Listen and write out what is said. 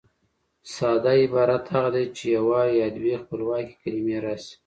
ساده عبارت هغه دئ، چي یوه یا دوې خپلواکي کلیمې راسي.